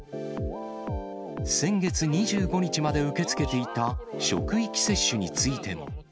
先月２５日まで受け付けていた職域接種についても。